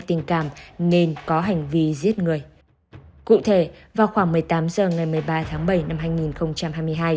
tình cảm nên có hành vi giết người cụ thể vào khoảng một mươi tám h ngày một mươi ba tháng bảy năm